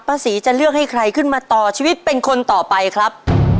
ศรีจะเลือกให้ใครขึ้นมาต่อชีวิตเป็นคนต่อไปครับ